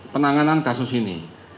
penanganan kasus ini